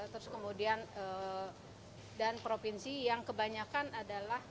terus kemudian dan provinsi yang kebanyakan adalah